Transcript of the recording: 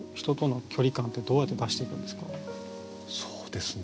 そうですね。